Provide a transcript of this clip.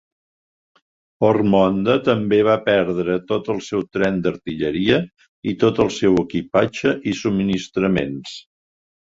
Ormonde també va perdre tot el seu tren d'artilleria i tot el seu equipatge i subministraments.